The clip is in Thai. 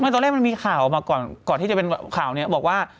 ตอนแรกมันมีข่าวออกมาก่อนที่จะเป็นข่าวนี้บอกว่า